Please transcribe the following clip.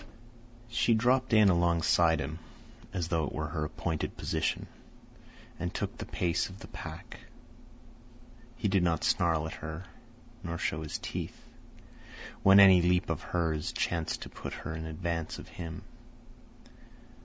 She dropped in alongside by him, as though it were her appointed position, and took the pace of the pack. He did not snarl at her, nor show his teeth, when any leap of hers chanced to put her in advance of him.